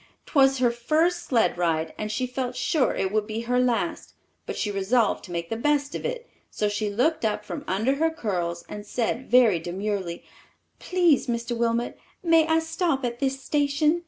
'Twas her first sled ride, and she felt sure it would be her last; but she resolved to make the best of it, so she looked up from under her curls and said very demurely, "Please, Mr. Wilmot, may I stop at this station?